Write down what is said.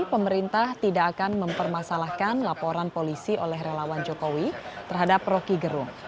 pemerintah tidak akan mempermasalahkan laporan polisi oleh relawan jokowi terhadap rocky gerung